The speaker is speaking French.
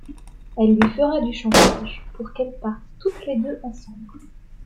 Elle lui fera du chantage pour qu'elles partent toutes les deux ensemble.